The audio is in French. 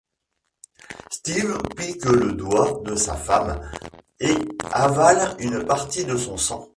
Steve pique le doigt de sa femme et avale une partie de son sang.